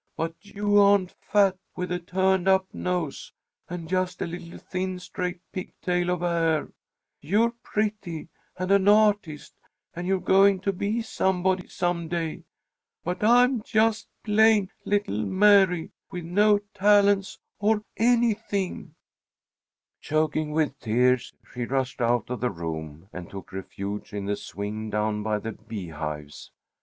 "But you aren't fat, with a turned up nose and just a little thin straight pigtail of hair. You're pretty, and an artist, and you're going to be somebody some day. But I'm just plain 'little Mary,' with no talents or anything!" Choking with tears, she rushed out of the room, and took refuge in the swing down by the beehives.